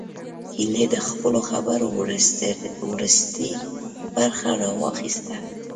هيلې د خپلو خبرو وروستۍ برخه راواخيسته